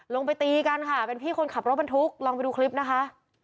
ไปตีกันค่ะเป็นพี่คนขับรถบรรทุกลองไปดูคลิปนะคะ